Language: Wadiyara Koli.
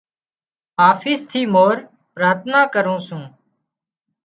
آفيس ٿِي مورِ پراٿنا ڪرُون سُون۔